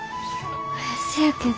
せやけど。